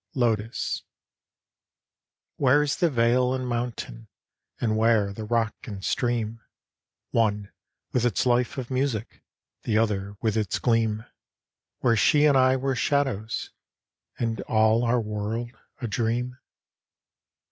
LOTUS Where is the vale and mountain, And where the rock and stream, One with its life of music, The other with its gleam, Where she and I were shadows And all our world, a dream?